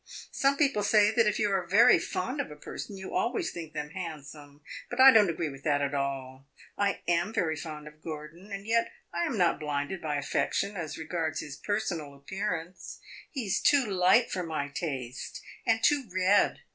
Some people say that if you are very fond of a person you always think them handsome; but I don't agree with that at all. I am very fond of Gordon, and yet I am not blinded by affection, as regards his personal appearance. He 's too light for my taste, and too red.